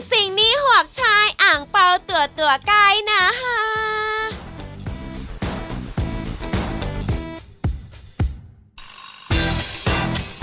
สิ่งนี้หวังใช้อ่างเปล่าตัวใกล้นะฮะ